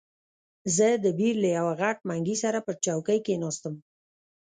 زه د بیر له یوه غټ منګي سره پر چوکۍ کښېناستم.